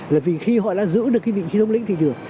là vì khi họ đã giữ được cái vị trí thống lĩnh thị trường